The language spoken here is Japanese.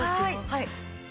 はい。